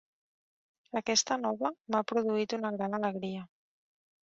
Aquesta nova m'ha produït una gran alegria.